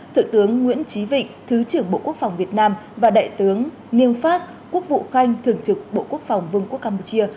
thượng tướng nguyễn trí vịnh thứ trưởng bộ quốc phòng việt nam và đại tướng niêng phát quốc vụ khanh thường trực bộ quốc phòng vương quốc campuchia